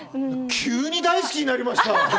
急に大好きになりました。